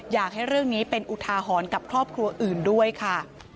อยากให้เรื่องนี้เป็นอุทาหรณ์กับครอบครัวอื่นด้วยค่ะ